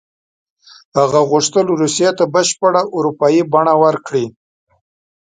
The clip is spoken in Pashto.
هغه غوښتل روسیې ته بشپړه اروپایي بڼه ورکړي.